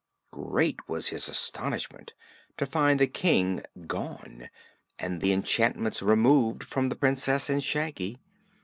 Great was his astonishment to find the King gone and the enchantments removed from the Princess and Shaggy.